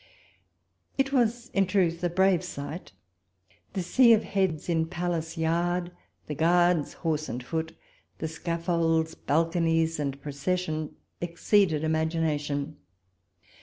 It was in truth a brave sight. The sea of heads in Palace Yard, the guards, horse and foot, the scaffolds, balconies, and pro cession exceeded imagination.